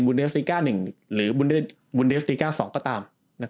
บุวนเดสนิกอ่า๑หรือบุวนเดสนิกอ่า๒ก็ตาม